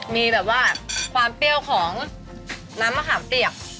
มีแบบว่าความเปรี้ยวของน้ำมะขามเปียก